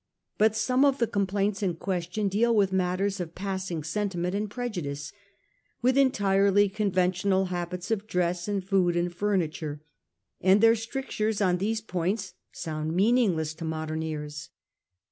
But some of the complaints in question deal with matters of passing sentiment and prejudice, with entirely con ventional habits of dress and food and furniture, and their strictures on these points sound meaningless to modern ears.